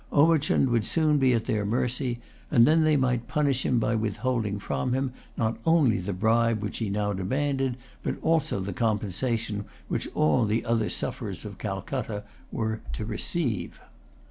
Omichund would soon be at their mercy; and then they might punish him by withholding from him, not only the bribe which he now demanded, but also the compensation which all the other sufferers of Calcutta were to receive.